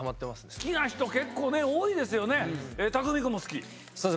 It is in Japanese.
好きな人結構多いですよね。